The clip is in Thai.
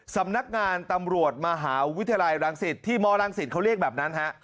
สำนักงานตำรวจมหาวิทยาลัยรังสิตที่มรังสิตเขาเรียกแบบนั้นฮะ